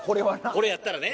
これやったらね。